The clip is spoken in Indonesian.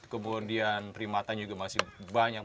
kemudian primatanya juga masih banyak